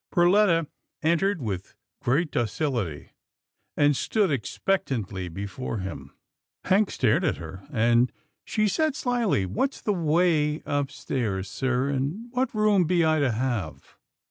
Perletta entered with great docility, and stood expectantly before him Hank stared at her, and she said slyly, " What's the way upstairs, sir, and what room be I to have